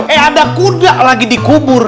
eh ada kuda lagi dikubur